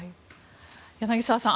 柳澤さん